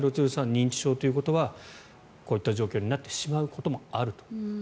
認知症ということはこういった状況になってしまうこともあると。